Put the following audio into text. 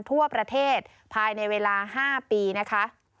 ทั่วประเทศภายในเวลา๕ปีนะคะ